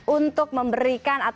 untuk memberikan kondisi yang berbeda